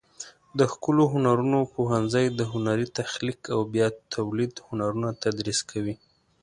د ښکلو هنرونو پوهنځی د هنري تخلیق او بیا تولید هنرونه تدریس کوي.